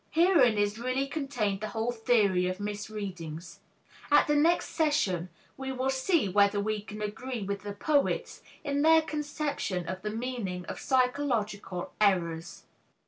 Herein is really contained the whole theory of misreadings. At the next session we will see whether we can agree with the poets in their conception of the meaning of psychological errors.